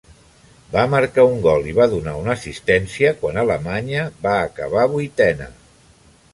Va marcar un gol i va donar una assistència quan Alemanya va acabar vuitena.